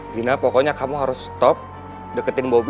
dina pokoknya kamu harus stop deketin bobby